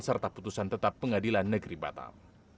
serta putusan tetap pengadilan negeri batam